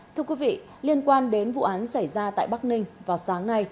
thưa quý vị liên quan đến vụ án xảy ra tại bắc ninh vào sáng nay